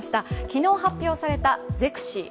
昨日発表されたゼクシィ